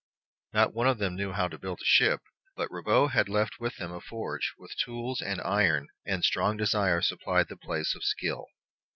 Not one of them knew how to build a ship; but Ribaut had left them a forge, with tools and iron, and strong desire supplied the place of skill.